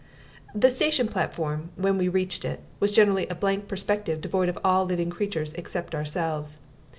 The station platform, when we reached it, was generally a blank perspective devoid of all living creatures except ourselves.